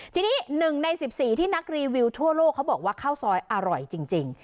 จริงนี่หนึ่งในสิบสี่ที่นักรีวิวทั่วโลกเค้าบอกว่าข้าวซอยอร่อยจริงจริง